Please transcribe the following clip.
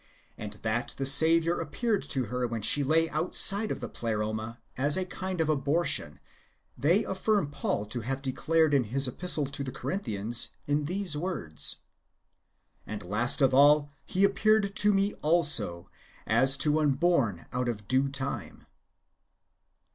And that the Saviour appeared to her when she lay out side of the Pleroma as a kind of abortion, they affirm Paul to have declared in his Epistle to the Corinthians [in these words], " And last of all, He appeared to me also, as to one born out of due time."